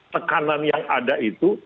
tekanan yang ada itu